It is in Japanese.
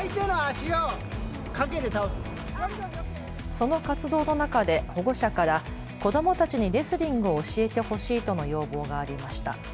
その活動の中で保護者から子どもたちにレスリングを教えてほしいとの要望がありました。